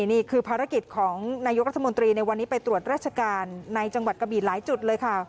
นี่คือภารกิจของนายกรัฐมนตรีในวันนี้ไปตรวจราชการในจังหวัดกะบีหลายจุดเลยค่ะ